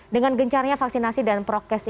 dengan gencarnya vaksinasi dan prokes